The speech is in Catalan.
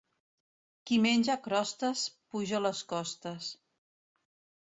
Qui menja crostes puja les costes.